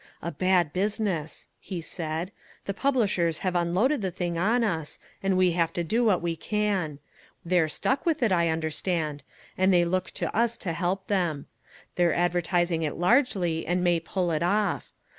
"A bad business," he said. "The publishers have unloaded the thing on us, and we have to do what we can. They're stuck with it, I understand, and they look to us to help them. They're advertising it largely and may pull it off.